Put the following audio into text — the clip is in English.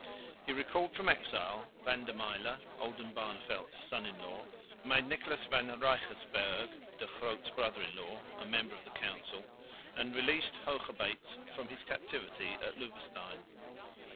He recalled from exile Van der Myle, Oldenbarneveldt's son in law; made Nicholas van Reigersberg, De Groot's brother in law, a member of the council; and released Hoogerbeets from his captivity at Loevestein.